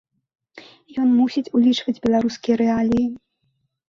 Ён мусіць улічваць беларускія рэаліі.